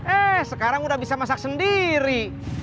eh sekarang udah bisa masak sendiri